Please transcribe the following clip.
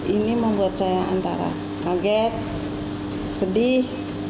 ini membuat saya antara kaget sedih